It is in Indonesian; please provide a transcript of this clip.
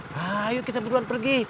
ayo kita duluan pergi